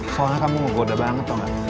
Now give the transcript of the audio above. soalnya kamu menggoda banget tau gak